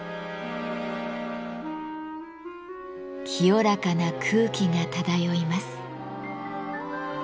清らかな空気が漂います。